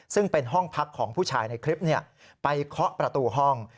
ซึ่งเป็นห้องพักของผู้ชายในคลิปไปเคาะประตูห้อง